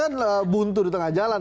kan buntu di tengah jalan